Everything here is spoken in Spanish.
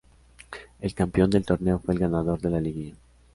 El campeón del torneo fue el ganador de la liguilla.